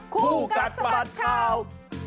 คู่กัดสะบัดข่าว